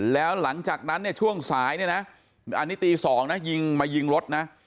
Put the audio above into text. แล้วหลังจากนั้นเนี่ยช่วงสายเนี่ยนะอันนี้ตี๒นะยิงมายิงรถนะ